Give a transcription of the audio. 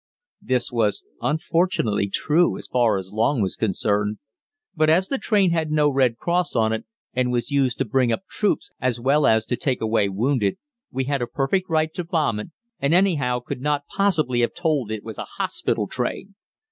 This was unfortunately true as far as Long was concerned, but as the train had no red cross on it, and was used to bring up troops as well as to take away wounded, we had a perfect right to bomb it, and anyhow could not possibly have told it was a hospital train.